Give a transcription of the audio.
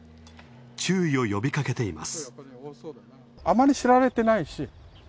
注意を呼びかけています。